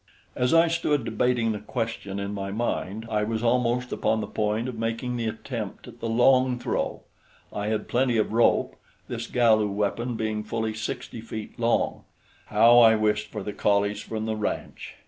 As I stood debating the question in my mind, I was almost upon the point of making the attempt at the long throw. I had plenty of rope, this Galu weapon being fully sixty feet long. How I wished for the collies from the ranch!